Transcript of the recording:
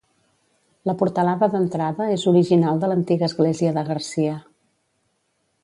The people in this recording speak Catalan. La portalada d'entrada és l'original de l'antiga església de Garcia.